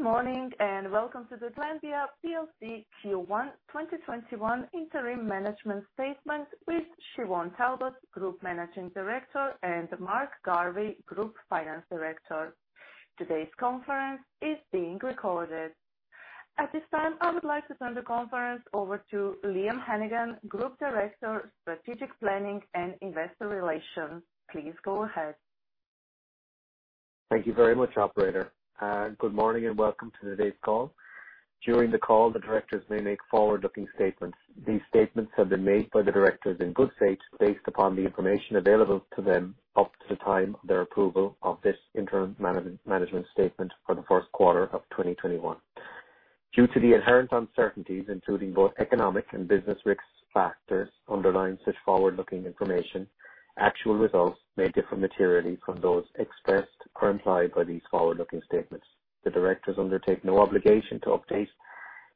Good morning. Welcome to the Glanbia plc Q1 2021 interim management statement with Siobhán Talbot, Group Managing Director, and Mark Garvey, Group Finance Director. Today's conference is being recorded. At this time, I would like to turn the conference over to Liam Hennigan, Group Director, Strategic Planning and Investor Relations. Please go ahead. Thank you very much, operator. Good morning and welcome to today's call. During the call, the directors may make forward-looking statements. These statements have been made by the directors in good faith based upon the information available to them up to the time of their approval of this interim management statement for the first quarter of 2021. Due to the inherent uncertainties, including both economic and business risk factors underlying such forward-looking information, actual results may differ materially from those expressed or implied by these forward-looking statements. The Directors undertake no obligation to update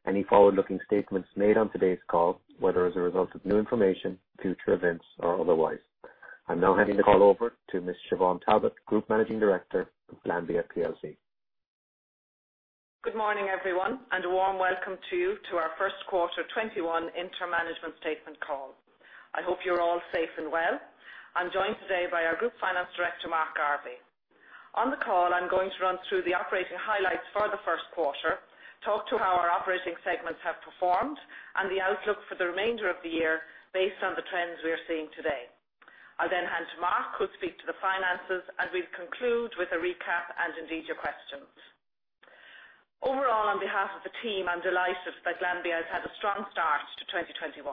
any forward-looking statements made on today's call, whether as a result of new information, future events, or otherwise. I'm now handing the call over to Ms. Siobhán Talbot, Group Managing Director of Glanbia plc. Good morning, everyone. A warm welcome to you to our first quarter 2021 interim management statement call. I hope you're all safe and well. I'm joined today by our Group Finance Director, Mark Garvey. On the call, I'm going to run through the operating highlights for the first quarter, talk to how our operating segments have performed, and the outlook for the remainder of the year based on the trends we are seeing today. I'll hand to Mark, who'll speak to the finances, and we'll conclude with a recap and indeed your questions. On behalf of the team, I'm delighted that Glanbia has had a strong start to 2021.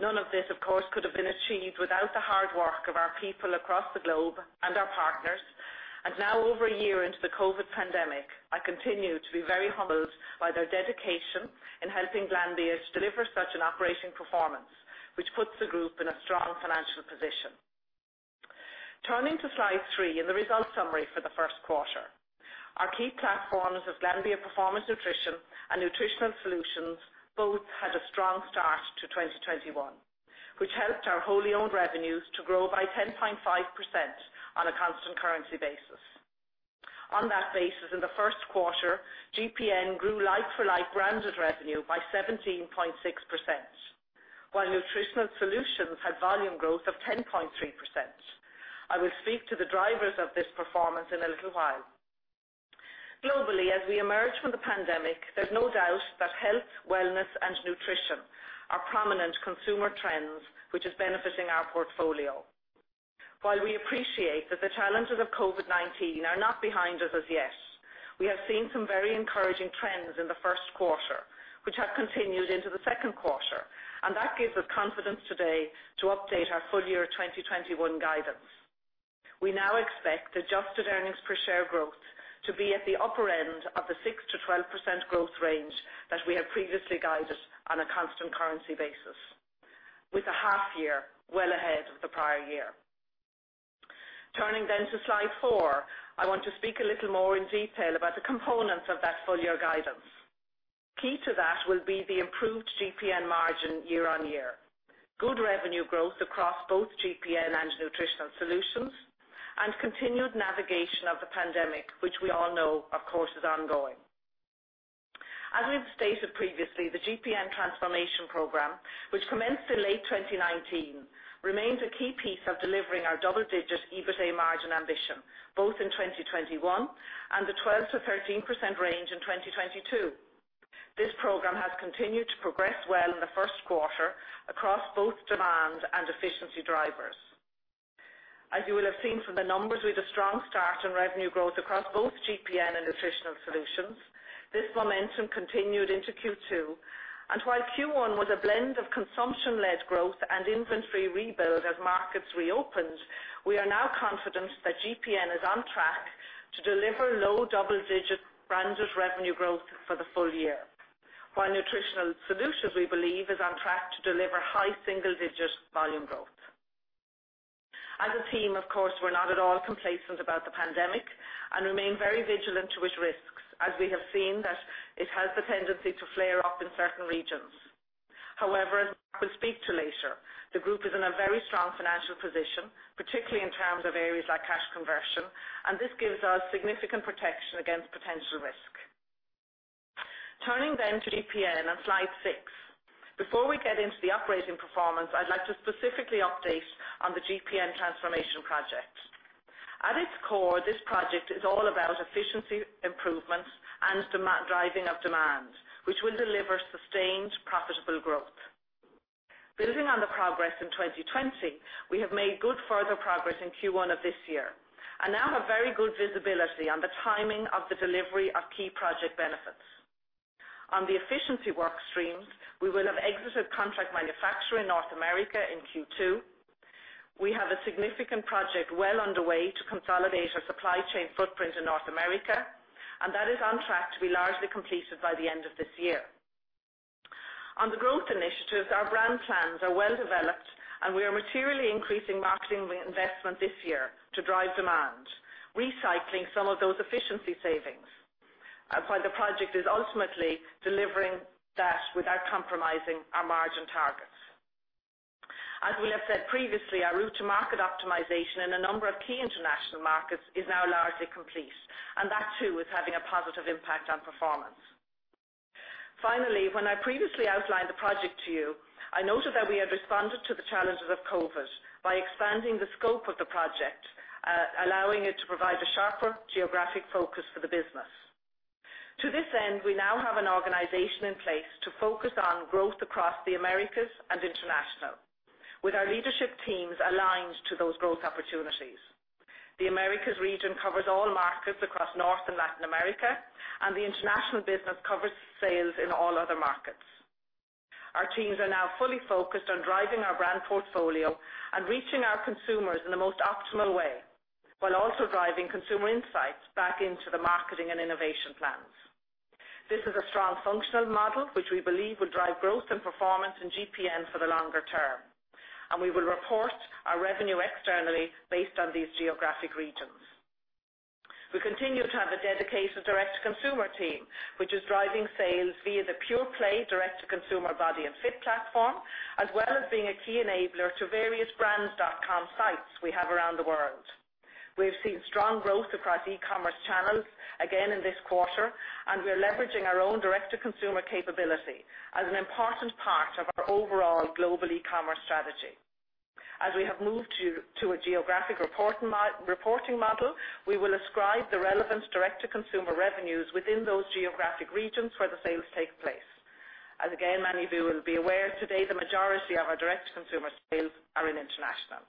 None of this, of course, could have been achieved without the hard work of our people across the globe and our partners. Now over a year into the COVID pandemic, I continue to be very humbled by their dedication in helping Glanbia to deliver such an operating performance, which puts the group in a strong financial position. Turning to slide three and the result summary for the first quarter. Our key platforms of Glanbia Performance Nutrition and Nutritional Solutions both had a strong start to 2021, which helped our wholly owned revenues to grow by 10.5% on a constant currency basis. On that basis, in the first quarter, GPN grew like-for-like branded revenue by 17.6%, while Nutritional Solutions had volume growth of 10.3%. I will speak to the drivers of this performance in a little while. Globally, as we emerge from the pandemic, there's no doubt that health, wellness, and nutrition are prominent consumer trends, which is benefiting our portfolio. While we appreciate that the challenges of COVID-19 are not behind us as yet, we have seen some very encouraging trends in the first quarter, which have continued into the second quarter. That gives us confidence today to update our full year 2021 guidance. We now expect adjusted earnings per share growth to be at the upper end of the 6%-12% growth range that we have previously guided on a constant currency basis, with the half year well ahead of the prior year. Turning to slide four, I want to speak a little more in detail about the components of that full year guidance. Key to that will be the improved GPN margin year-over-year, good revenue growth across both GPN and Nutritional Solutions, continued navigation of the pandemic, which we all know, of course, is ongoing. As we've stated previously, the GPN transformation program, which commenced in late 2019, remains a key piece of delivering our double-digit EBITA margin ambition, both in 2021 and the 12%-13% range in 2022. This program has continued to progress well in the first quarter across both demand and efficiency drivers. As you will have seen from the numbers, we had a strong start in revenue growth across both GPN and Nutritional Solutions. This momentum continued into Q2, and while Q1 was a blend of consumption-led growth and inventory rebuild as markets reopened, we are now confident that GPN is on track to deliver low double-digit branded revenue growth for the full year, while Nutritional Solutions, we believe, is on track to deliver high single-digit volume growth. As a team, of course, we're not at all complacent about the pandemic and remain very vigilant to its risks as we have seen that it has the tendency to flare up in certain regions. As Mark will speak to later, the group is in a very strong financial position, particularly in terms of areas like cash conversion, and this gives us significant protection against potential risk. Turning to GPN on slide six. Before we get into the operating performance, I'd like to specifically update on the GPN Transformation Project. At its core, this project is all about efficiency improvements and driving of demand, which will deliver sustained profitable growth. Building on the progress in 2020, we have made good further progress in Q1 of this year and now have very good visibility on the timing of the delivery of key project benefits. On the efficiency work streams, we will have exited contract manufacture in North America in Q2. We have a significant project well underway to consolidate our supply chain footprint in North America, and that is on track to be largely completed by the end of this year. On the growth initiatives, our brand plans are well developed, and we are materially increasing marketing investment this year to drive demand, recycling some of those efficiency savings, while the project is ultimately delivering that without compromising our margin targets. As we have said previously, our route to market optimization in a number of key international markets is now largely complete, and that too is having a positive impact on performance. Finally, when I previously outlined the project to you, I noted that we had responded to the challenges of COVID by expanding the scope of the project, allowing it to provide a sharper geographic focus for the business. To this end, we now have an organization in place to focus on growth across the Americas and international, with our leadership teams aligned to those growth opportunities. The Americas region covers all markets across North and Latin America. The international business covers sales in all other markets. Our teams are now fully focused on driving our brand portfolio and reaching our consumers in the most optimal way, while also driving consumer insights back into the marketing and innovation plans. This is a strong functional model, which we believe will drive growth and performance in GPN for the longer term. We will report our revenue externally based on these geographic regions. We continue to have a dedicated direct-to-consumer team, which is driving sales via the pure-play direct-to-consumer Body & Fit platform, as well as being a key enabler to various brands.com sites we have around the world. We've seen strong growth across e-commerce channels again in this quarter. We are leveraging our own direct-to-consumer capability as an important part of our overall global e-commerce strategy. As we have moved to a geographic reporting model, we will ascribe the relevant direct-to-consumer revenues within those geographic regions where the sales take place. Again, many of you will be aware today the majority of our direct-to-consumer sales are in international.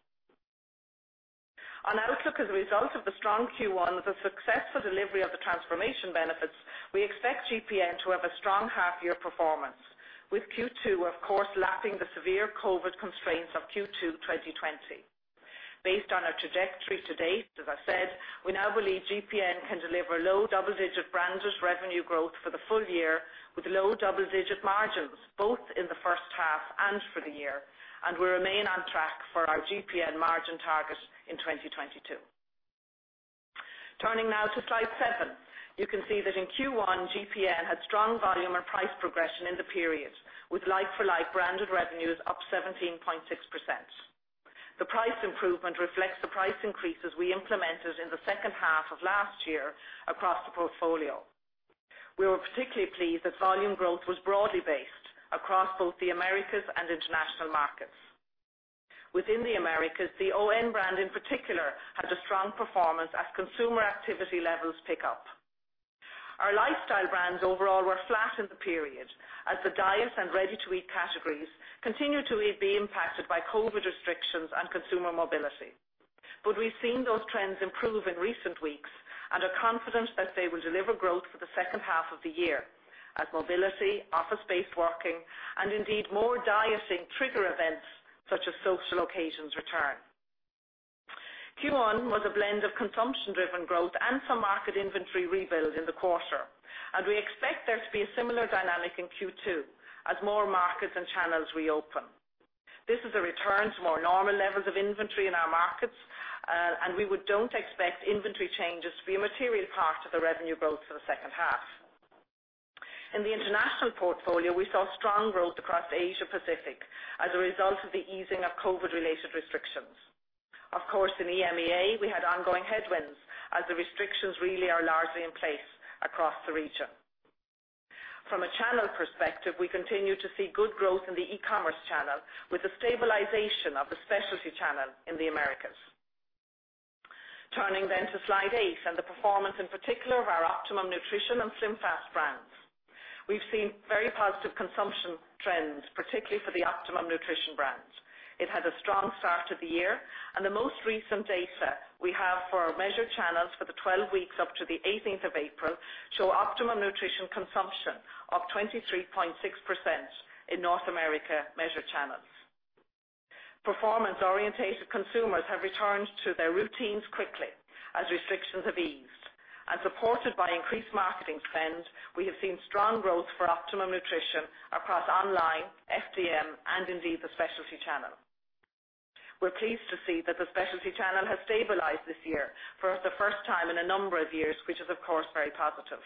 On outlook as a result of the strong Q1, the successful delivery of the transformation benefits, we expect GPN to have a strong half-year performance with Q2, of course, lapping the severe COVID constraints of Q2 2020. Based on our trajectory to date, as I said, we now believe GPN can deliver low double-digit branded revenue growth for the full year, with low double-digit margins, both in the first half and for the year, and we remain on track for our GPN margin target in 2022. Turning now to slide seven. You can see that in Q1, GPN had strong volume and price progression in the period with like-for-like branded revenues up 17.6%. The price improvement reflects the price increases we implemented in the second half of last year across the portfolio. We were particularly pleased that volume growth was broadly based across both the Americas and international markets. Within the Americas, the O.N. brand in particular had a strong performance as consumer activity levels pick up. Our lifestyle brands overall were flat in the period as the diets and ready-to-eat categories continue to be impacted by COVID restrictions and consumer mobility. We've seen those trends improve in recent weeks and are confident that they will deliver growth for the second half of the year as mobility, office-based working, and indeed more dieting trigger events such as social occasions return. Q1 was a blend of consumption-driven growth and some market inventory rebuild in the quarter. We expect there to be a similar dynamic in Q2 as more markets and channels reopen. This is a return to more normal levels of inventory in our markets. We don't expect inventory changes to be a material part of the revenue growth for the second half. In the international portfolio, we saw strong growth across Asia Pacific as a result of the easing of COVID-related restrictions. Of course, in EMEA, we had ongoing headwinds as the restrictions really are largely in place across the region. From a channel perspective, we continue to see good growth in the e-commerce channel with the stabilization of the specialty channel in the Americas. Turning to slide eight and the performance in particular of our Optimum Nutrition and SlimFast brands. We’ve seen very positive consumption trends, particularly for the Optimum Nutrition brands. It had a strong start to the year, and the most recent data we have for our measured channels for the 12 weeks up to the 18th of April show Optimum Nutrition consumption of 23.6% in North America measured channels. Performance-orientated consumers have returned to their routines quickly as restrictions have eased. Supported by increased marketing spend, we have seen strong growth for Optimum Nutrition across online, FDM, and indeed the specialty channel. We're pleased to see that the specialty channel has stabilized this year for the first time in a number of years, which is, of course, very positive.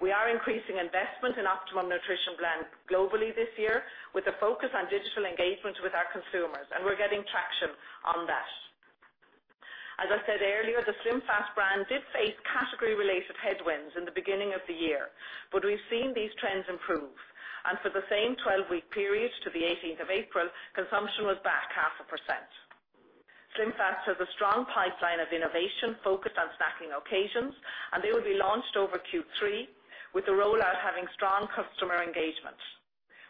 We are increasing investment in Optimum Nutrition brands globally this year with a focus on digital engagement with our consumers, and we're getting traction on that. As I said earlier, the SlimFast brand did face category-related headwinds in the beginning of the year, but we've seen these trends improve, and for the same 12-week period to the 18th of April, consumption was back 0.5%. SlimFast has a strong pipeline of innovation focused on snacking occasions, and they will be launched over Q3 with the rollout having strong customer engagement.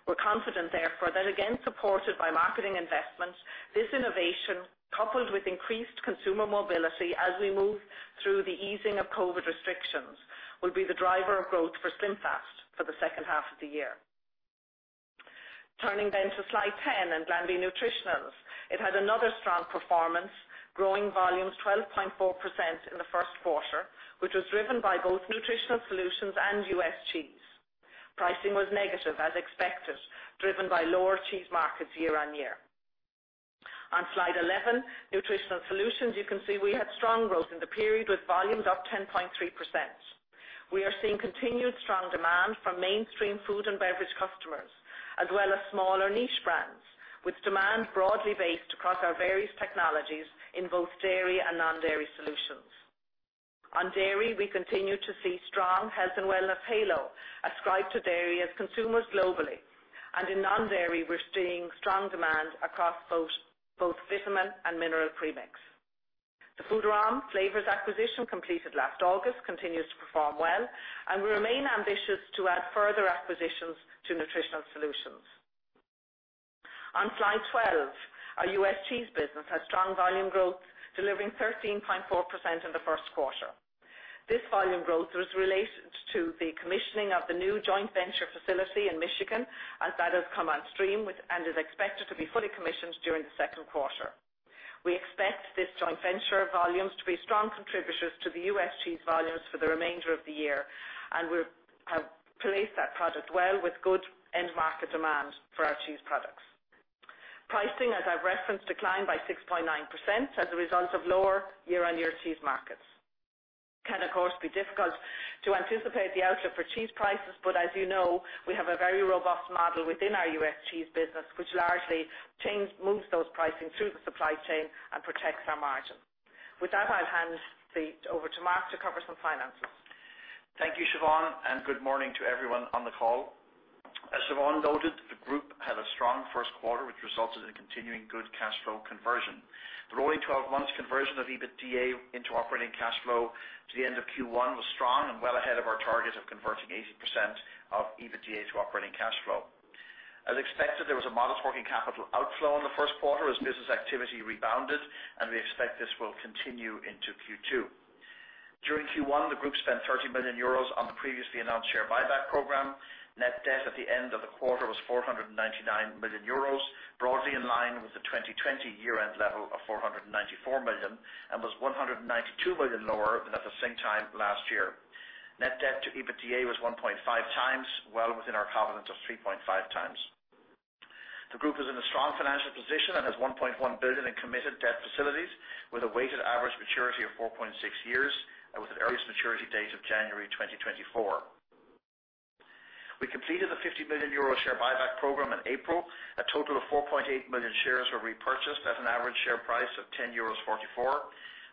We're confident, therefore, that again, supported by marketing investments, this innovation, coupled with increased consumer mobility as we move through the easing of COVID restrictions, will be the driver of growth for SlimFast for the second half of the year. Turning to slide 10 and Glanbia Nutritionals. It had another strong performance, growing volumes 12.4% in the first quarter, which was driven by both Nutritional Solutions and U.S. Cheese. Pricing was negative as expected, driven by lower cheese markets year-over-year. Slide 11, Nutritional Solutions. You can see we had strong growth in the period, with volumes up 10.3%. We are seeing continued strong demand from mainstream food and beverage customers, as well as smaller niche brands, with demand broadly based across our various technologies in both dairy and non-dairy solutions. On dairy, we continue to see strong health and wellness halo ascribed to dairy as consumers globally, and in non-dairy, we're seeing strong demand across both vitamin and mineral premix. The Foodarom flavors acquisition completed last August continues to perform well, and we remain ambitious to add further acquisitions to Nutritional Solutions. On Slide 12, our US cheese business had strong volume growth, delivering 13.4% in the first quarter. This volume growth was related to the commissioning of the new joint venture facility in Michigan, as that has come on stream and is expected to be fully commissioned during the second quarter. We expect this joint venture volumes to be strong contributors to the U.S. Cheese volumes for the remainder of the year, and we have placed that product well with good end market demand for our cheese products. Pricing, as I've referenced, declined by 6.9% as a result of lower year-on-year cheese markets. As you know, we have a very robust model within our U.S. cheese business, which largely moves those pricing through the supply chain and protects our margin. With that, I'll hand it over to Mark to cover some finances. Thank you, Siobhán, and good morning to everyone on the call. As Siobhán noted, the group had a strong first quarter, which resulted in continuing good cash flow conversion. The rolling 12 months conversion of EBITDA into operating cash flow to the end of Q1 was strong and well ahead of our target of converting 80% of EBITDA to operating cash flow. As expected, there was a modest working capital outflow in the first quarter as business activity rebounded, and we expect this will continue into Q2. During Q1, the group spent 30 million euros on the previously announced share buyback program. Net debt at the end of the quarter was 499 million euros, broadly in line with the 2020 year-end level of 494 million and was 192 million lower than at the same time last year. Net debt to EBITDA was 1.5x, well within our covenant of 3.5x. The group is in a strong financial position and has 1.1 billion in committed debt facilities, with a weighted average maturity of 4.6 years and with an earliest maturity date of January 2024. We completed the 50 million euro share buyback program in April. A total of 4.8 million shares were repurchased at an average share price of 10.44 euros.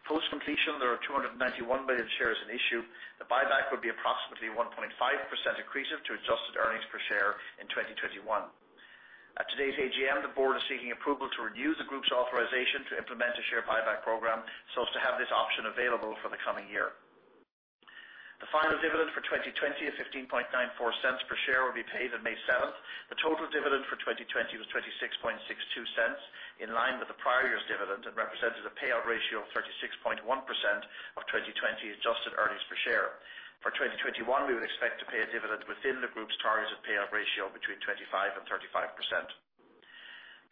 Post-completion, there are 291 million shares in issue. The buyback would be approximately 1.5% accretive to adjusted earnings per share in 2021. At today's AGM, the board is seeking approval to renew the group's authorization to implement a share buyback program, so as to have this option available for the coming year. The final dividend for 2020 of 0.1594 per share will be paid on May 7th. The total dividend for 2020 was 0.2662, in line with the prior year's dividend and represented a payout ratio of 36.1% of 2020 adjusted earnings per share. For 2021, we would expect to pay a dividend within the group's target of payout ratio between 25%-35%.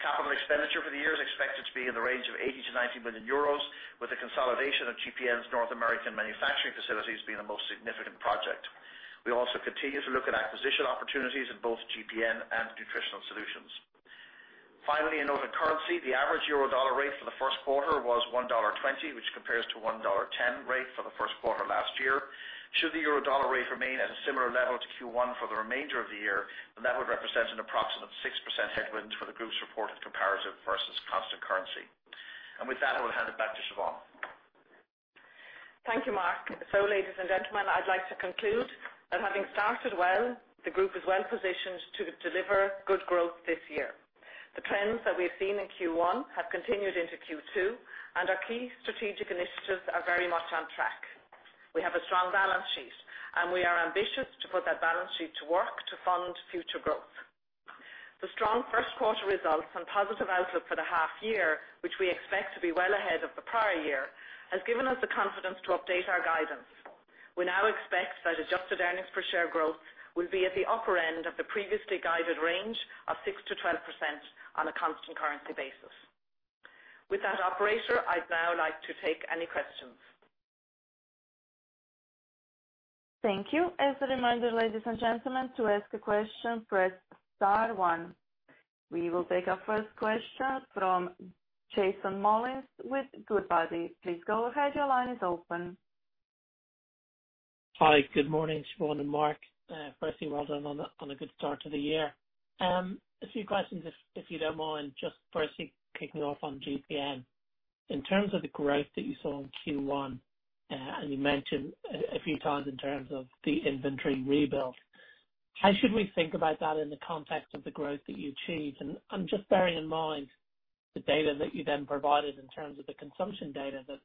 Capital expenditure for the year is expected to be in the range of 80 million-90 million euros, with the consolidation of GPN's North American manufacturing facilities being the most significant project. We also continue to look at acquisition opportunities in both GPN and Nutritional Solutions. Finally, a note on currency. The average euro-dollar rate for the first quarter was $1.20, which compares to $1.10 rate for the first quarter last year. Should the euro-dollar rate remain at a similar level to Q1 for the remainder of the year, that would represent an approximate 6% headwind for the group's reported comparative versus constant currency. With that, I will hand it back to Siobhán. Thank you, Mark. Ladies and gentlemen, I'd like to conclude that having started well, the group is well positioned to deliver good growth this year. The trends that we have seen in Q1 have continued into Q2, and our key strategic initiatives are very much on track. We have a strong balance sheet, and we are ambitious to put that balance sheet to work to fund future growth. The strong first quarter results and positive outlook for the half year, which we expect to be well ahead of the prior year, has given us the confidence to update our guidance. We now expect that adjusted earnings per share growth will be at the upper end of the previously guided range of 6%-12% on a constant currency basis. With that, operator, I'd now like to take any questions. Thank you. As a reminder, ladies and gentlemen, to ask a question, press star one. We will take our first question from Jason Molins with Goodbody. Please go ahead. Your line is open. Hi. Good morning, Siobhán and Mark. Firstly, well done on a good start to the year. A few questions, if you don't mind, just firstly kicking off on GPN. In terms of the growth that you saw in Q1, you mentioned a few times in terms of the inventory rebuild, how should we think about that in the context of the growth that you achieved? Just bearing in mind the data that you then provided in terms of the consumption data, that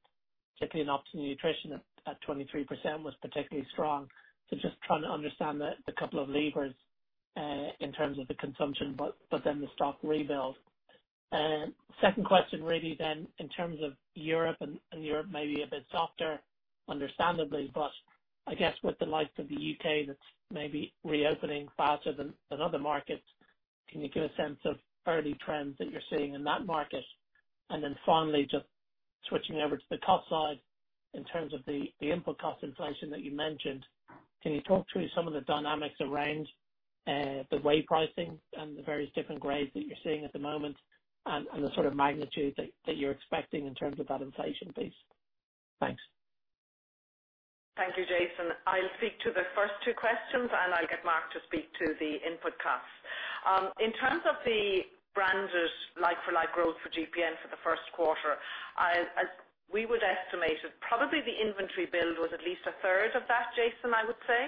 particularly in Optimum Nutrition at 23% was particularly strong. Just trying to understand the couple of levers, in terms of the consumption, but then the stock rebuild. Second question really then, in terms of Europe, and Europe may be a bit softer, understandably, but I guess with the likes of the U.K. that's maybe reopening faster than other markets, can you give a sense of early trends that you're seeing in that market? Then finally, just switching over to the cost side, in terms of the input cost inflation that you mentioned, can you talk through some of the dynamics around the way pricing and the various different grades that you're seeing at the moment, and the sort of magnitude that you're expecting in terms of that inflation piece? Thanks. Thank you, Jason. I'll speak to the first two questions, and I'll get Mark to speak to the input costs. In terms of the branded like-for-like growth for GPN for the first quarter, we would estimate that probably the inventory build was at least a third of that, Jason, I would say.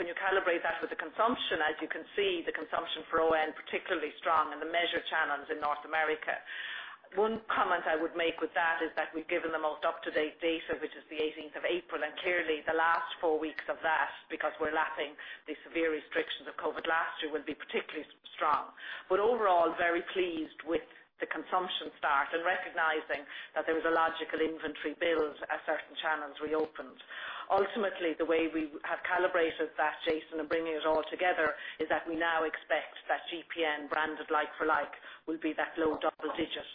When you calibrate that with the consumption, as you can see, the consumption for O.N, particularly strong in the measured channels in North America. One comment I would make with that is that we've given the most up-to-date data, which is the 18th of April, and clearly the last four weeks of that, because we're lapping the severe restrictions of COVID last year, will be particularly strong. Overall, very pleased with the consumption start and recognizing that there was a logical inventory build as certain channels reopened. Ultimately, the way we have calibrated that, Jason, and bringing it all together, is that we now expect that GPN branded like-for-like will be that low double digit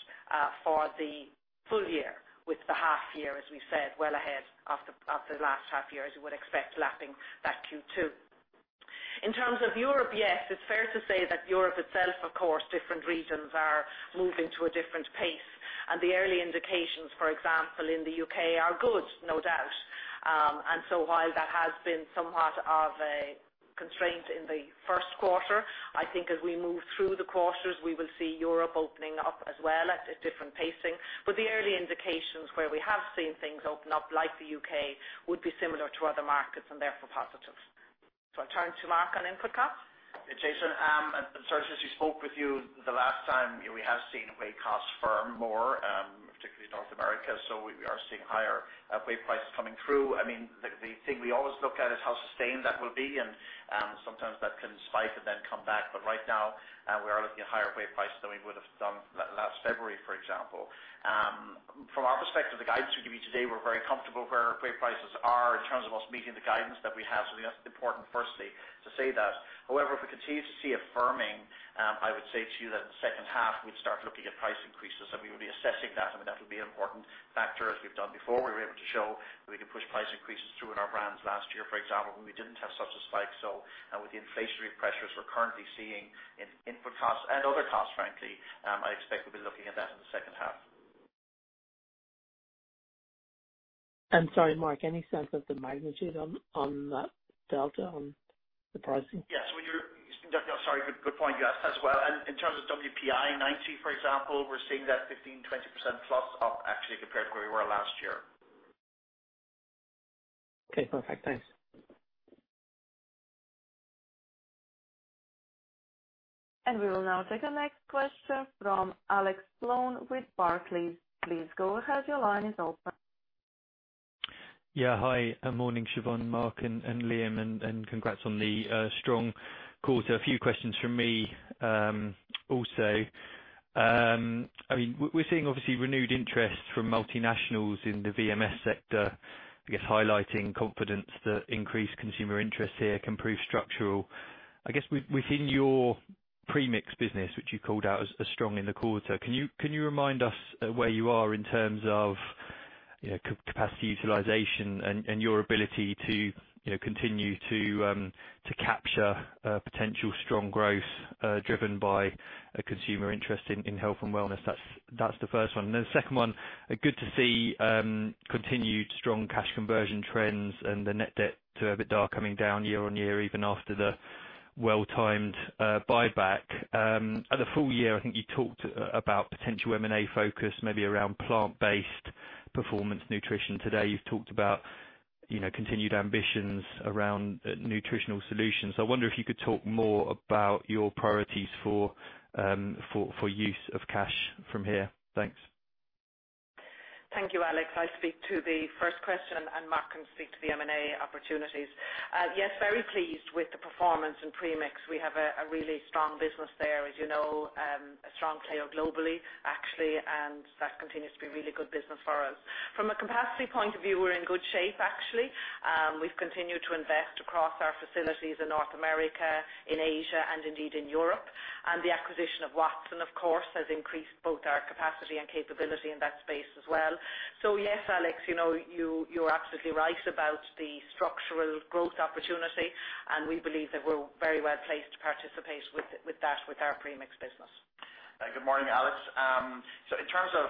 for the full year, with the half year, as we've said, well ahead of the last half year, as you would expect, lapping that Q2. In terms of Europe, yes, it's fair to say that Europe itself, of course, different regions are moving to a different pace. The early indications, for example, in the U.K. are good, no doubt. While that has been somewhat of a constraint in the first quarter, I think as we move through the quarters, we will see Europe opening up as well at a different pacing. The early indications where we have seen things open up, like the U.K., would be similar to other markets and therefore positives. I turn to Mark on input costs. Jason, since we spoke with you the last time, we have seen whey costs firm more, particularly North America. We are seeing higher whey prices coming through. The thing we always look at is how sustained that will be, and sometimes that can spike and then come back. Right now, we are looking at higher whey prices than we would have done last February, for example. From our perspective, the guidance we give you today, we're very comfortable where our whey prices are in terms of us meeting the guidance that we have. That's important firstly to say that. However, if we continue to see a firming, I would say to you that in the second half we'd start looking at price increases, and we would be assessing that, and that'll be an important factor as we've done before. We were able to show that we could push price increases through in our brands last year, for example, when we didn't have such a spike. With the inflationary pressures we're currently seeing in input costs and other costs, frankly, I expect we'll be looking at that in the second half. I'm sorry, Mark, any sense of the magnitude on that delta on the pricing? Yes. Sorry, good point. Yes, as well. In terms of WPI 90 for example, we're seeing that 15%, 20%+ up actually compared to where we were last year. Okay, perfect. Thanks. We will now take the next question from Alex Sloane with Barclays. Please go ahead. Hi. Morning, Siobhán, Mark, and Liam, congrats on the strong quarter. A few questions from me also. We're seeing obviously renewed interest from multinationals in the VMS sector, I guess highlighting confidence that increased consumer interest here can prove structural. I guess within your premix business, which you called out as strong in the quarter, can you remind us where you are in terms of capacity utilization and your ability to continue to capture potential strong growth driven by a consumer interest in health and wellness? That's the first one. Then the second one, good to see continued strong cash conversion trends and the net debt to EBITDA coming down year on year, even after the well-timed buyback. At the full year, I think you talked about potential M&A focus maybe around plant-based performance nutrition. Today, you've talked about continued ambitions around Nutritional Solutions. I wonder if you could talk more about your priorities for use of cash from here. Thanks. Thank you, Alex. I'll speak to the first question, and Mark can speak to the M&A opportunities. Yes, very pleased with the performance in premix. We have a really strong business there, as you know, a strong player globally, actually, and that continues to be really good business for us. From a capacity point of view, we're in good shape, actually. We've continued to invest across our facilities in North America, in Asia, and indeed in Europe. The acquisition of Watson, of course, has increased both our capacity and capability in that space as well. Yes, Alex, you're absolutely right about the structural growth opportunity, and we believe that we're very well placed to participate with that with our premix business. Good morning, Alex. In terms of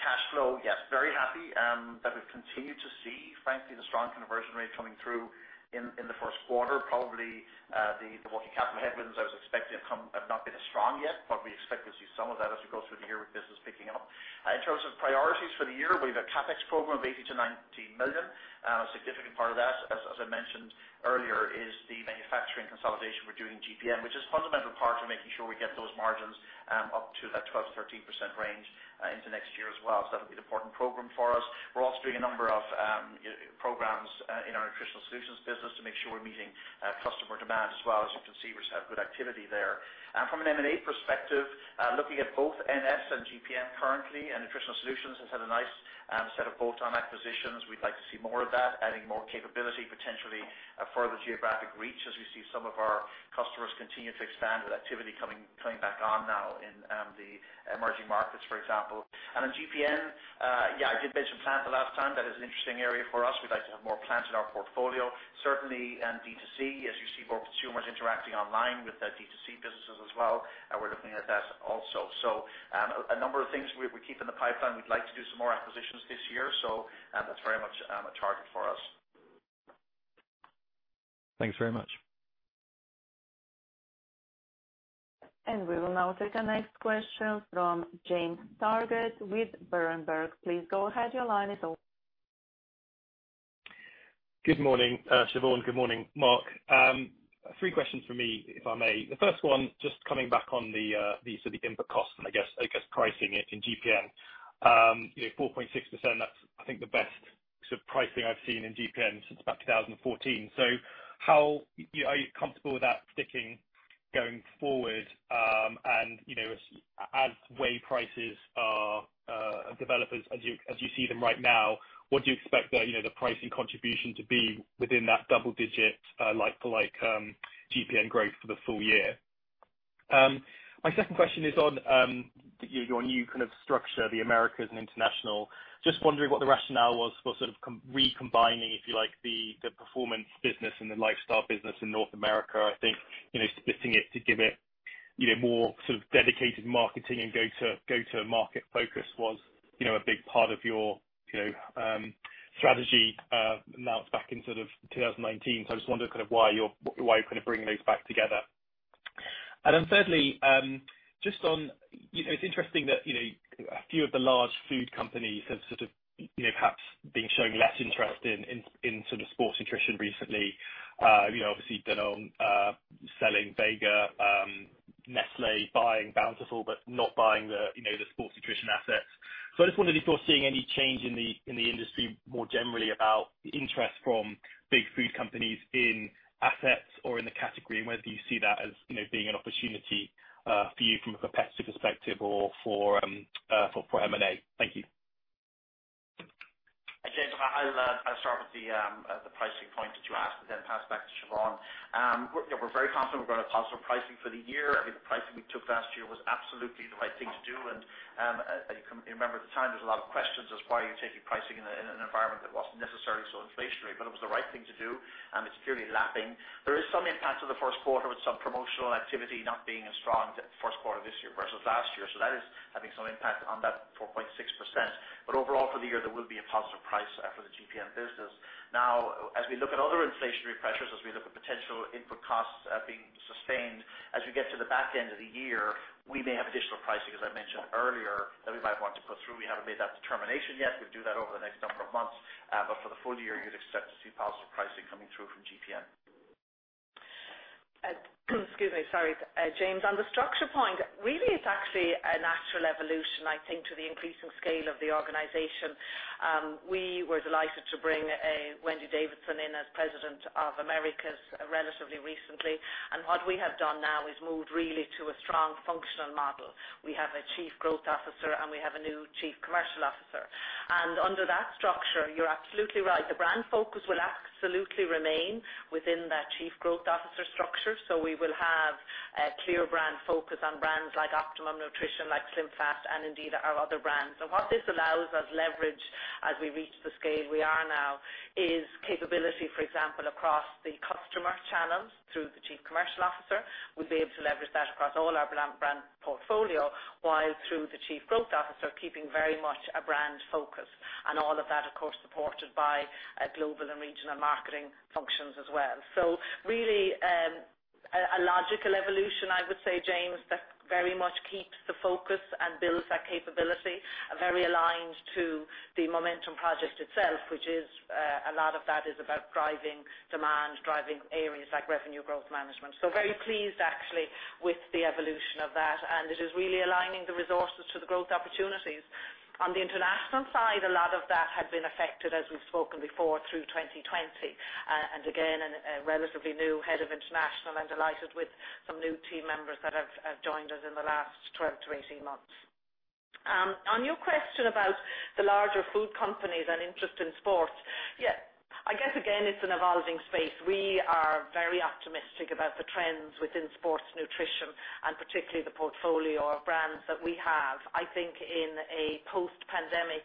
cash flow, yes, very happy that we've continued to see, frankly, the strong conversion rate coming through in the first quarter. Probably the working capital headwinds I was expecting have not been as strong yet, but we expect to see some of that as we go through the year with business picking up. In terms of priorities for the year, we have a CapEx program of 80 million-90 million. A significant part of that, as I mentioned earlier, is the manufacturing consolidation we're doing in GPN, which is fundamental. Also making sure we get those margins up to that 12%-13% range into next year as well. That'll be an important program for us. We're also doing a number of programs in our Nutritional Solutions business to make sure we're meeting customer demand as well, as you can see, we just have good activity there. From an M&A perspective, looking at both NS and GPN currently, Nutritional Solutions has had a nice set of bolt-on acquisitions. We'd like to see more of that, adding more capability, potentially a further geographic reach as we see some of our customers continue to expand with activity coming back on now in the emerging markets, for example. Then GPN, yeah, I did mention plant the last time. That is an interesting area for us. We'd like to have more plants in our portfolio. Certainly in D2C, as you see more consumers interacting online with the D2C businesses as well, we're looking at that also. A number of things we keep in the pipeline. We'd like to do some more acquisitions this year. That's very much a target for us. Thanks very much. We will now take the next question from James Targett with Berenberg. Please go ahead. Your line is open. Good morning, Siobhán. Good morning, Mark. Three questions from me, if I may. The first one, just coming back on the input cost and I guess pricing it in GPN. 4.6%, that's, I think, the best pricing I've seen in GPN since about 2014. Are you comfortable with that sticking going forward? As whey prices are developing, as you see them right now, what do you expect the pricing contribution to be within that double-digit like GPN growth for the full year? My second question is on your new kind of structure, the Americas and International. Just wondering what the rationale was for sort of recombining, if you like, the performance business and the lifestyle business in North America. I think splitting it to give it more sort of dedicated marketing and go-to-market focus was a big part of your strategy announced back in 2019. I just wonder why you're kind of bringing those back together. Thirdly, it's interesting that a few of the large food companies have sort of perhaps been showing less interest in sort of sports nutrition recently. Obviously Danone selling Vega, Nestlé buying Bountiful, but not buying the sports nutrition assets. I just wondered if you're seeing any change in the industry more generally about interest from big food companies in assets or in the category, and whether you see that as being an opportunity for you from a competitive perspective or for M&A. Thank you. James, I'll start with the pricing point that you asked and then pass back to Siobhán. We're very confident we're going to have positive pricing for the year. I mean, the pricing we took last year was absolutely the right thing to do, and you remember at the time, there was a lot of questions as why are you taking pricing in an environment that wasn't necessarily so inflationary. It was the right thing to do, and it's clearly lapping. There is some impact to the first quarter with some promotional activity not being as strong first quarter this year versus last year. That is having some impact on that 4.6%. Overall for the year, there will be a positive price for the GPN business. Now, as we look at other inflationary pressures, as we look at potential input costs being sustained, as we get to the back end of the year, we may have additional pricing, as I mentioned earlier, that we might want to put through. We haven't made that determination yet. We'll do that over the next number of months. For the full year, you'd expect to see positive pricing coming through from GPN. Excuse me. Sorry, James. On the structure point, really, it's actually a natural evolution, I think, to the increasing scale of the organization. We were delighted to bring Wendy Davidson in as President of Americas relatively recently. What we have done now is moved really to a strong functional model. We have a Chief Growth Officer and we have a new Chief Commercial Officer. Under that structure, you're absolutely right. The brand focus will absolutely remain within that Chief Growth Officer structure. We will have a clear brand focus on brands like Optimum Nutrition, like SlimFast, and indeed our other brands. What this allows us leverage as we reach the scale we are now is capability, for example, across the customer channels through the Chief Commercial Officer, we'll be able to leverage that across all our brand portfolio, while through the Chief Growth Officer, keeping very much a brand focus. All of that, of course, supported by global and regional marketing functions as well. Really, a logical evolution, I would say, James, that very much keeps the focus and builds that capability, very aligned to the Momentum project itself, which is a lot of that is about driving demand, driving areas like revenue growth management. Very pleased actually with the evolution of that, and it is really aligning the resources to the growth opportunities. On the international side, a lot of that had been affected, as we've spoken before, through 2020. Again, a relatively new head of international and delighted with some new team members that have joined us in the last 12 to 18 months. On your question about the larger food companies and interest in sports, I guess, again, it's an evolving space. We are very optimistic about the trends within sports nutrition and particularly the portfolio of brands that we have. I think in a post-pandemic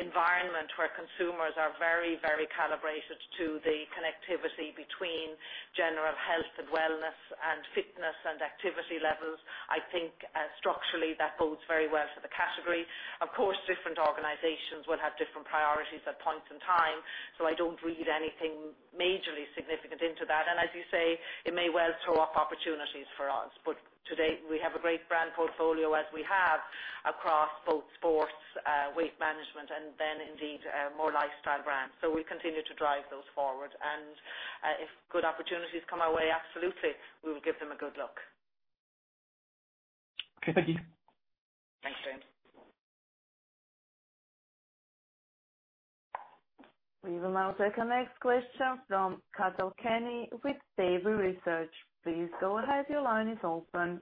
environment where consumers are very, very calibrated to the connectivity between general health and wellness and fitness and activity levels, I think structurally, that bodes very well for the category. Of course, different organizations will have different priorities at points in time, so I don't read anything majorly significant into that. As you say, it may well throw up opportunities for us. To date, we have a great brand portfolio as we have across both sports, weight management and then indeed more lifestyle brands. We continue to drive those forward. If good opportunities come our way, absolutely, we will give them a good look. Okay, thank you. We will now take our next question from Cathal Kenny with Davy Research. Please go ahead. Your line is open.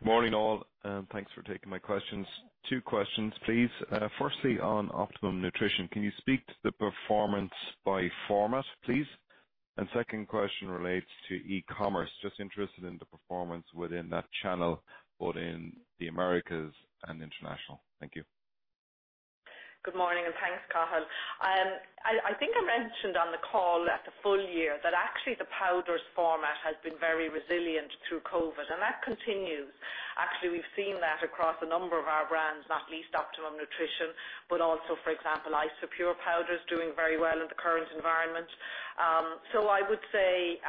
Good morning, all, and thanks for taking my questions. Two questions please. Firstly, on Optimum Nutrition, can you speak to the performance by format, please? Second question relates to e-commerce. Just interested in the performance within that channel, both in the Americas and international. Thank you. Good morning, and thanks, Cathal. I think I mentioned on the call at the full year that actually the powders format has been very resilient through COVID, and that continues. Actually, we've seen that across a number of our brands, not least Optimum Nutrition, but also, for example, Isopure powder is doing very well in the current environment. I would say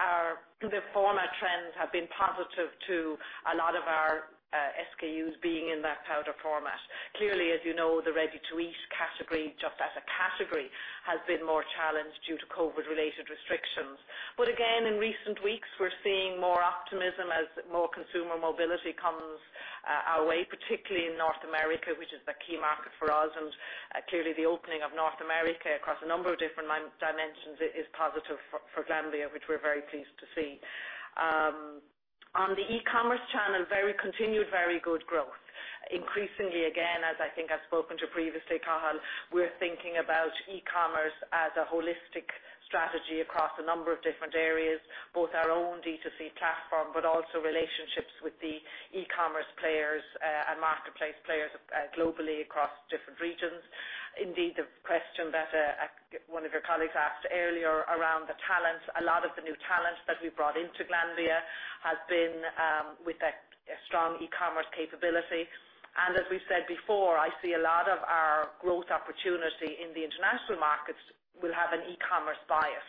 the format trends have been positive to a lot of our SKUs being in that powder format. Clearly, as you know, the ready-to-eat category, just as a category, has been more challenged due to COVID-related restrictions. Again, in recent weeks, we're seeing more optimism as more consumer mobility comes our way, particularly in North America, which is the key market for us. Clearly the opening of North America across a number of different dimensions is positive for Glanbia, which we're very pleased to see. On the e-commerce channel, continued very good growth. Increasingly, again, as I think I've spoken to previously, Cathal, we're thinking about e-commerce as a holistic strategy across a number of different areas, both our own D2C platform, but also relationships with the e-commerce players and marketplace players globally across different regions. Indeed, the question that one of your colleagues asked earlier around the talent, a lot of the new talent that we brought into Glanbia has been with a strong e-commerce capability. As we've said before, I see a lot of our growth opportunity in the international markets will have an e-commerce bias.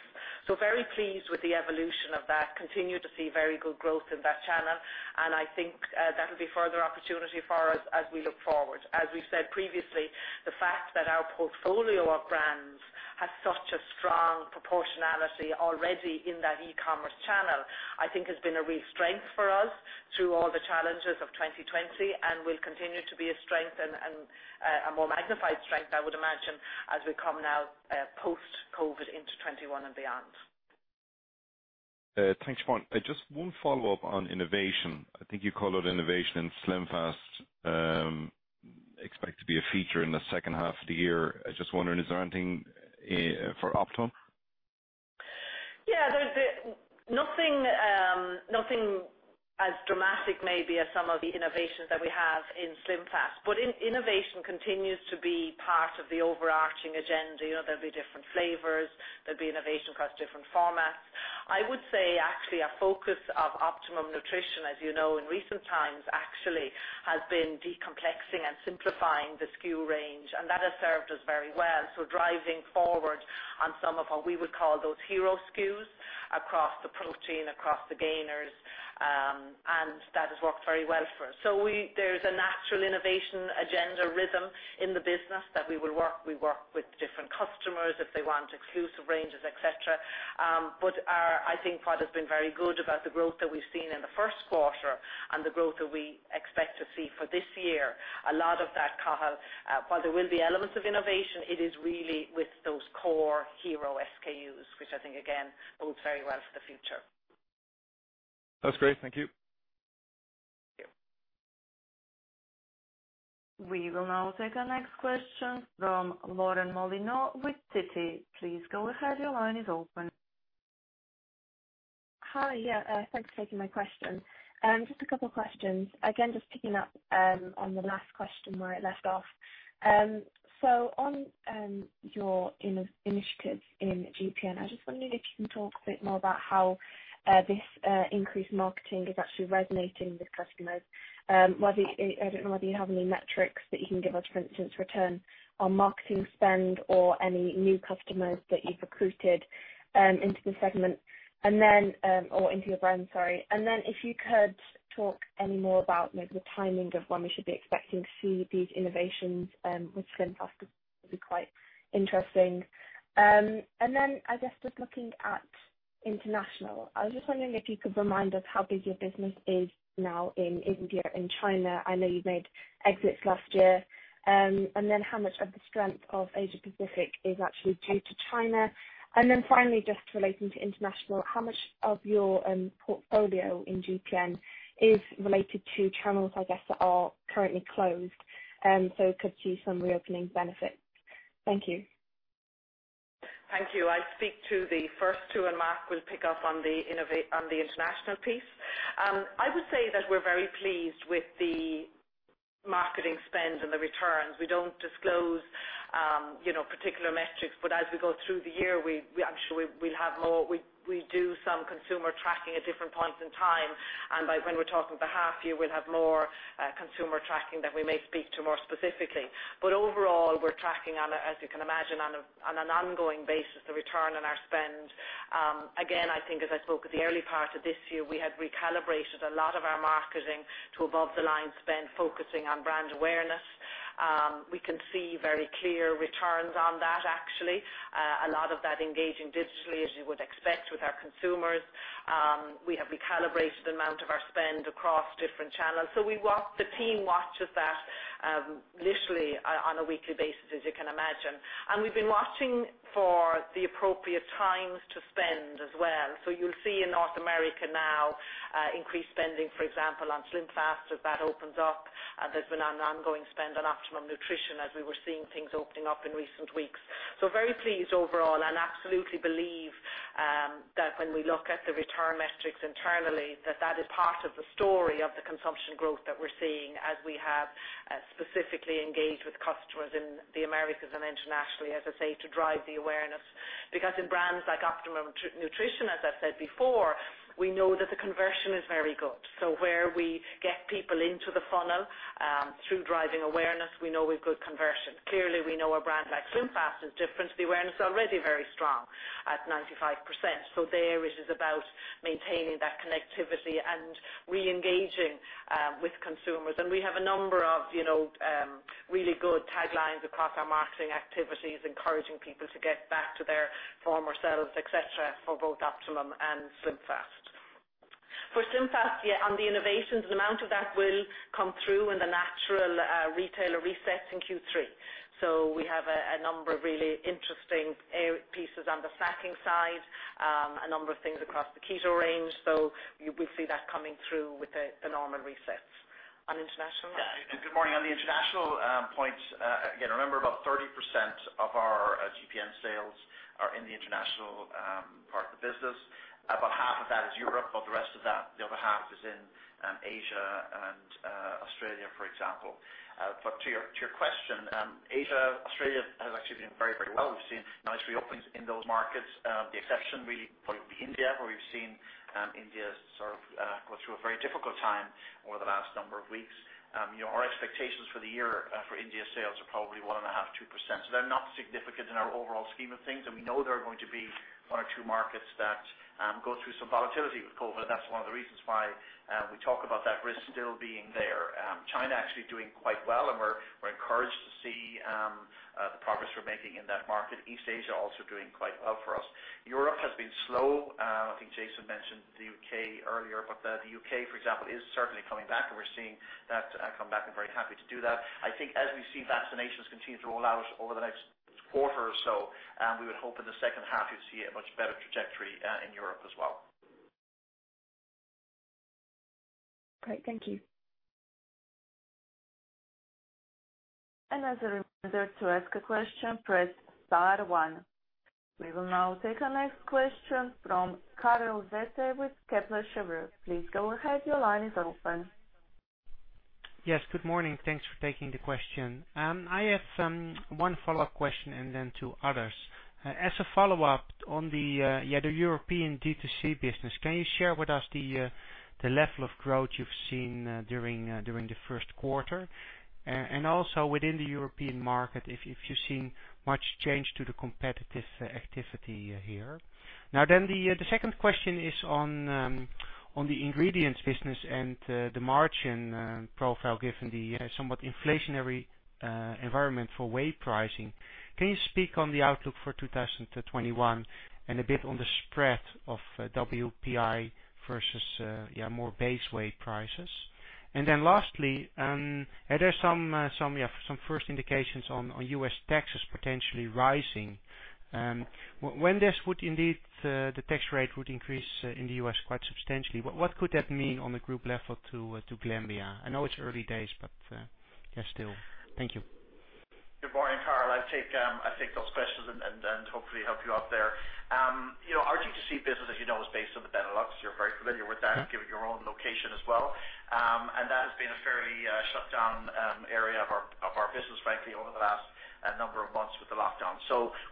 Very pleased with the evolution of that, continue to see very good growth in that channel, and I think that'll be a further opportunity for us as we look forward. As we've said previously, the fact that our portfolio of brands has such a strong proportionality already in that e-commerce channel, I think has been a real strength for us through all the challenges of 2020 and will continue to be a strength and a more magnified strength, I would imagine, as we come now post-COVID into 2021 and beyond. Thanks, Siobhán. Just one follow-up on innovation. I think you called out innovation SlimFast expect to be a feature in the second half of the year. I was just wondering, is there anything for Optimum? Yeah. Nothing as dramatic maybe as some of the innovations that we have in SlimFast, innovation continues to be part of the overarching agenda. There'll be different flavors, there'll be innovation across different formats. I would say actually a focus of Optimum Nutrition, as you know, in recent times actually has been de-complexing and simplifying the SKU range, that has served us very well. Driving forward on some of what we would call those hero SKUs across the protein, across the gainers, that has worked very well for us. There's a natural innovation agenda rhythm in the business that we will work. We work with different customers if they want exclusive ranges, et cetera. I think part has been very good about the growth that we've seen in the first quarter and the growth that we expect to see for this year. A lot of that, Cathal, while there will be elements of innovation, it is really with those core hero SKUs, which I think again, bodes very well for the future. That's great. Thank you. Thank you. We will now take our next question from Lauren Molyneux with Citi. Please go ahead. Your line is open. Hi. Yeah, thanks for taking my question. Just a couple questions. Just picking up on the last question where I left off. On your initiatives in GPN, I just wondered if you can talk a bit more about how this increased marketing is actually resonating with customers. I don't know whether you have any metrics that you can give us, for instance, return on marketing spend or any new customers that you've recruited into the segment or into your brand, sorry. If you could talk any more about maybe the timing of when we should be expecting to see these innovations with SlimFast would be quite interesting. I guess just looking at international, I was just wondering if you could remind us how big your business is now in India and China. I know you've made exits last year. How much of the strength of Asia Pacific is actually due to China? Finally, just relating to international, how much of your portfolio in GPN is related to channels, I guess, that are currently closed, so could see some reopening benefit? Thank you. Thank you. I'll speak to the first two. Mark will pick up on the international piece. I would say that we're very pleased with the marketing spend and the returns. We don't disclose particular metrics. As we go through the year, we do some consumer tracking at different points in time, and when we're talking the half year, we'll have more consumer tracking that we may speak to more specifically. Overall, we're tracking, as you can imagine, on an ongoing basis, the return on our spend. Again, I think as I spoke at the early part of this year, we had recalibrated a lot of our marketing to above-the-line spend, focusing on brand awareness. We can see very clear returns on that, actually. A lot of that engaging digitally, as you would expect with our consumers. We have recalibrated the amount of our spend across different channels. The team watches that literally on a weekly basis, as you can imagine. We've been watching for the appropriate times to spend as well. You'll see in North America now increased spending, for example, on SlimFast as that opens up. There's been an ongoing spend on Optimum Nutrition as we were seeing things opening up in recent weeks. Very pleased overall and absolutely believe that when we look at the return metrics internally, that is part of the story of the consumption growth that we're seeing as we have specifically engaged with customers in the Americas and internationally, as I say, to drive the awareness. In brands like Optimum Nutrition, as I've said before, we know that the conversion is very good. Where we get people into the funnel through driving awareness, we know we've good conversion. Clearly, we know a brand like SlimFast is different. The awareness already very strong at 95%. There it is about maintaining that connectivity and reengaging with consumers. We have a number of really good taglines across our marketing activities, encouraging people to get back to their former selves, et cetera, for both Optimum and SlimFast. For SlimFast, yeah, on the innovations, the amount of that will come through in the natural retailer resets in Q3. We have a number of really interesting pieces on the snacking side, a number of things across the keto range. You will see that coming through with the normal resets. On international, Mark? Yeah. Good morning. On the international points, again, remember about 30% of our GPN sales are in the international part of the business. About half of that is Europe, the rest of that, the other half, is in Asia and Australia, for example. To your question, Asia, Australia has actually been very well. We've seen nice reopenings in those markets. The exception really probably would be India, where we've seen India sort of go through a very difficult time over the last number of weeks. Our expectations for the year for India sales are probably 1.5%, 2%. They're not significant in our overall scheme of things, and we know there are going to be one or two markets that go through some volatility with COVID. That's one of the reasons why we talk about that risk still being there. China actually doing quite well, and we're encouraged to see the progress we're making in that market. East Asia also doing quite well for us. Europe has been slow. I think Jason mentioned the U.K. earlier, but the U.K., for example, is certainly coming back, and we're seeing that come back and very happy to do that. I think as we see vaccinations continue to roll out over the next quarter or so, we would hope in the second half you'd see a much better trajectory in Europe as well. Great. Thank you. As a reminder, to ask a question, press star one. We will now take our next question from Karel Zoete with Kepler Cheuvreux. Please go ahead. Your line is open. Yes, good morning. Thanks for taking the question. I have one follow-up question and then two others. As a follow-up on the European D2C business, can you share with us the level of growth you've seen during the first quarter? Also within the European market, if you've seen much change to the competitive activity here. The second question is on the ingredients business and the margin profile, given the somewhat inflationary environment for whey pricing. Can you speak on the outlook for 2021 and a bit on the spread of WPI versus more base whey prices? Lastly, there's some first indications on U.S. taxes potentially rising. When indeed the tax rate would increase in the U.S. quite substantially, what could that mean on the group level to Glanbia? I know it's early days, but still. Thank you. Good morning, Karel. I'll take those questions and hopefully help you out there. Our D2C business, as you know, is based in the Benelux. You're very familiar with that, given your own location as well. That has been a fairly shut down area of our business, frankly, over the last number of months with the lockdown.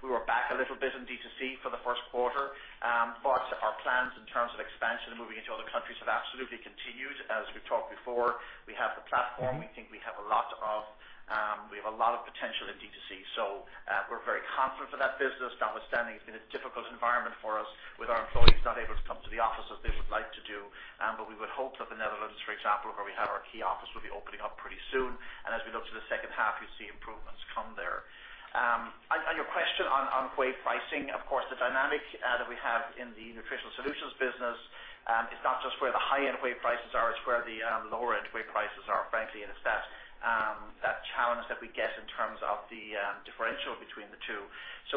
We were back a little bit in D2C for the first quarter. Our plans in terms of expansion and moving into other countries have absolutely continued. As we've talked before, we have the platform. We think we have a lot of potential in D2C, so we're very confident for that business, notwithstanding it's been a difficult environment for us with our employees not able to come to the office as they would like to do. We would hope that the Netherlands, for example, where we have our key office, will be opening up pretty soon, and as we look to the second half, you'll see improvements come there. On your question on whey pricing, of course, the dynamic that we have in the Nutritional Solutions business, it's not just where the high-end whey prices are, it's where the lower-end whey prices are, frankly. It's that challenge that we get in terms of the differential between the two.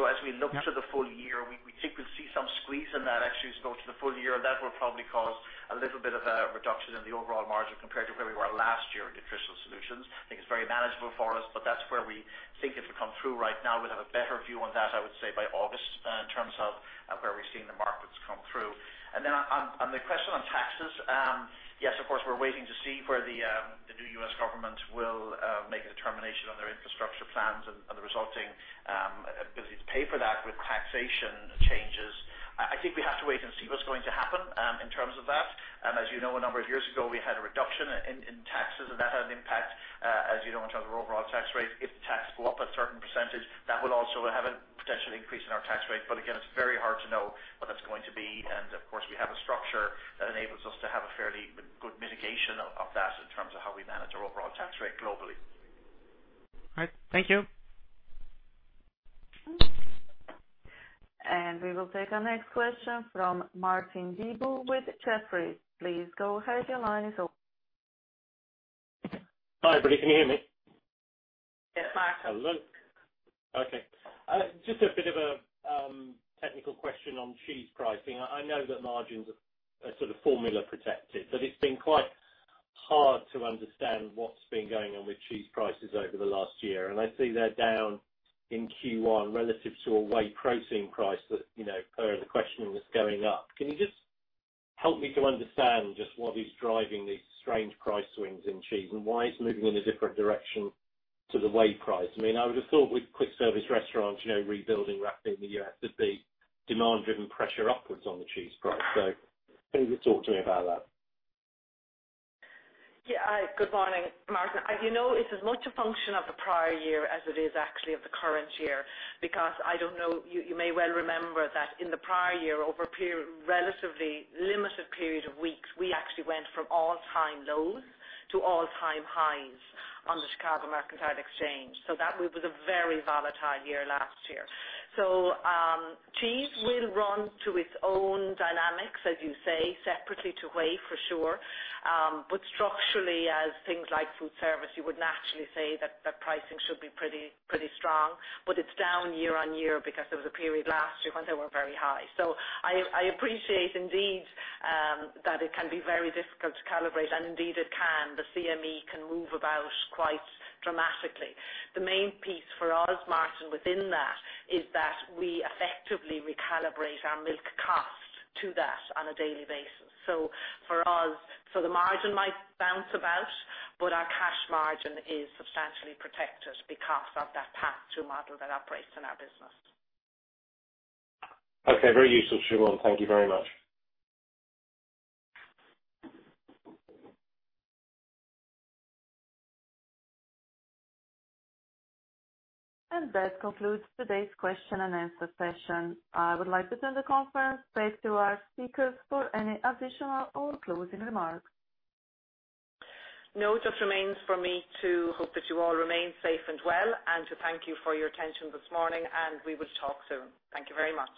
As we look to the full year, we think we'll see some squeeze in that as you go to the full year, and that will probably cause a little bit of a reduction in the overall margin compared to where we were last year in Nutritional Solutions. I think it's very manageable for us, but that's where we think it will come through right now. We'll have a better view on that, I would say, by August in terms of, we've seen the markets come through. On the question on taxes, yes, of course, we're waiting to see where the new U.S. government will make a determination on their infrastructure plans and the resulting ability to pay for that with taxation changes. I think we have to wait and see what's going to happen in terms of that. As you know, a number of years ago, we had a reduction in taxes, and that had an impact, as you know, in terms of our overall tax rate. If the tax go up a certain percentage, that will also have a potential increase in our tax rate. Again, it's very hard to know what that's going to be. Of course, we have a structure that enables us to have a fairly good mitigation of that in terms of how we manage our overall tax rate globally. All right. Thank you. We will take our next question from Martin Deboo with Jefferies. Please go ahead. Your line is open. Hi, everybody. Can you hear me? Yes, Martin. Hello. Okay. Just a bit of a technical question on cheese pricing. I know that margins are sort of formula protected, but it's been quite hard to understand what's been going on with cheese prices over the last year. I see they're down in Q1 relative to a whey protein price that per the questioning was going up. Can you just help me to understand just what is driving these strange price swings in cheese and why it's moving in a different direction to the whey price? I would have thought with quick service restaurants rebuilding rapidly in the U.S., there'd be demand-driven pressure upwards on the cheese price. Can you just talk to me about that? Yeah. Good morning, Martin. As you know, it's as much a function of the prior year as it is actually of the current year, because I don't know, you may well remember that in the prior year, over a relatively limited period of weeks, we actually went from all-time lows to all-time highs on the Chicago Mercantile Exchange. That was a very volatile year last year. Cheese will run to its own dynamics, as you say, separately to whey for sure. Structurally, as things like food service, you would naturally say that the pricing should be pretty strong. It's down year-on-year because there was a period last year when they were very high. I appreciate indeed, that it can be very difficult to calibrate, and indeed it can. The CME can move about quite dramatically. The main piece for us, Martin, within that, is that we effectively recalibrate our milk cost to that on a daily basis. For us, the margin might bounce about, but our cash margin is substantially protected because of that pass-through model that operates in our business. Okay, very useful, Siobhán. Thank you very much. That concludes today's question and answer session. I would like to turn the conference back to our speakers for any additional or closing remarks. No, it just remains for me to hope that you all remain safe and well, and to thank you for your attention this morning, and we will talk soon. Thank you very much.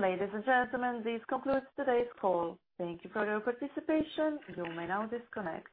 Ladies and gentlemen, this concludes today's call. Thank you for your participation. You may now disconnect.